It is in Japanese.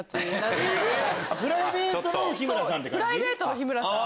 プライベートの日村さん？